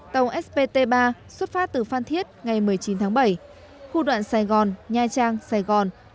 tàu spt ba xuất phát từ phan thiết ngày một mươi chín tháng bảy khu đoạn sài gòn nha trang sài gòn